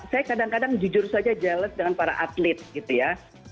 saya kadang kadang jujur saja jellot dengan para atlet gitu ya